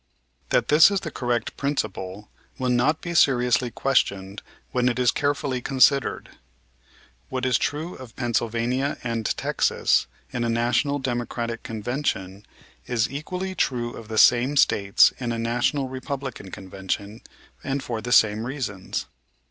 That this is the correct principle will not be seriously questioned when it is carefully considered. What is true of Pennsylvania and Texas in a National Democratic Convention is equally true of the same States in a National Republican Convention, and for the same reasons.